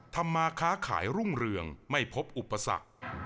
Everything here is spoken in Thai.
ทำมาค้าขายรุ่งเรืองไม่พบอุปสรรค